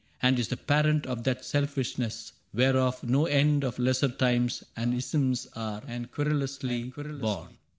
And is the parent of that selfishness Whereof no end of lesser tions and isms Are querulously born.